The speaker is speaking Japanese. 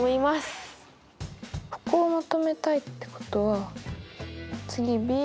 ここを求めたいってことは∠